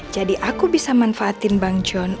jadi aku bisa manfaatin bang john